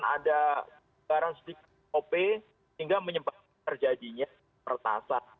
ada garansi op hingga menyebabkan terjadinya pertasa